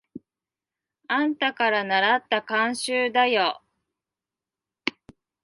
あんたからならった慣習だよ。